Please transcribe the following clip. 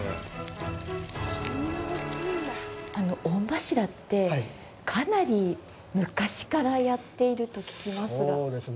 御柱って、かなり昔からやっていると聞きますが。